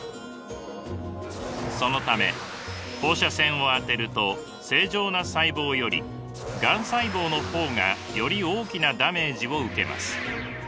そのため放射線をあてると正常な細胞よりがん細胞の方がより大きなダメージを受けます。